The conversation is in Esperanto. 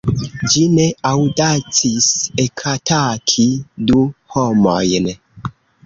Ĝi ne aŭdacis ekataki du homojn.